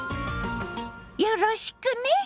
よろしくね！